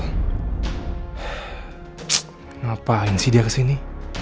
kenapaan sih dia kesini